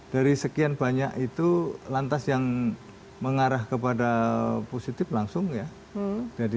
dari sekian banyak itu lantas yang mengarah kepada positif langsung ya